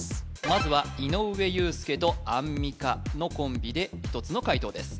まずは井上裕介とアンミカのコンビで１つの解答です